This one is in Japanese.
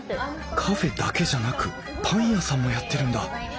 カフェだけじゃなくパン屋さんもやってるんだ。